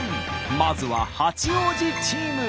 まずは八王子チーム。